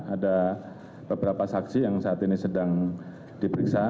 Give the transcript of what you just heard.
ada beberapa saksi yang saat ini sedang diperiksa